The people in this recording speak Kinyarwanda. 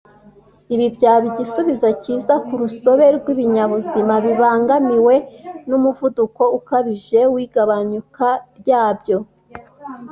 Ibi byaba igisubizo cyiza ku rusobe rw’ibinyabuzima bibangamiwe n’umuvuduko ukabije w’igabanyuka ryabyo